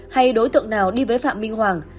hay đối tượng nào đi với phạm minh hoàng